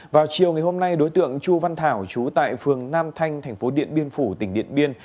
vào chiều ngày hôm nay đối tượng chu văn thảo chú tại phường nam thanh thành phố điện biên phủ tỉnh điện biên